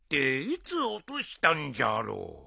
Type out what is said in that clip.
いつ落としたんじゃろう。